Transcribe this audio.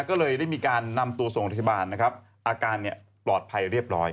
ก็เลยได้มีการนำตัวส่งโรงพยาบาลนะครับอาการปลอดภัยเรียบร้อย